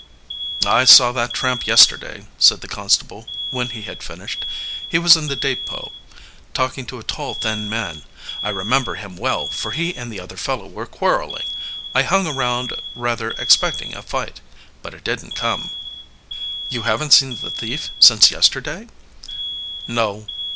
"I saw that tramp yesterday," said the constable, when he had finished. "He was in the depot, talking to a tall, thin man. I remember him well, for he and the other fellow were quarreling. I hung around rather expecting a fight. But it didn't come." "You haven't seen the thief since yesterday?" "No."